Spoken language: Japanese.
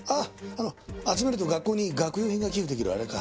あの集めると学校に学用品が寄付できるあれか？